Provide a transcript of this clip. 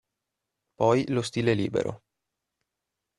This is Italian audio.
Poi lo stile libero.